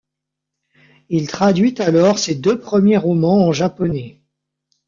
Il traduit alors ses deux premiers romans en japonais.